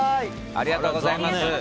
ありがとうございます。